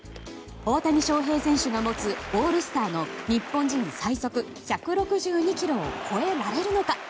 大谷翔平選手が持つオールスターの日本人最速１６２キロを超えられるのか。